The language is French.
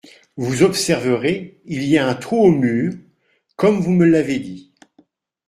Vous observerez, il y a un trou au mur, comme vous me l'avez dit.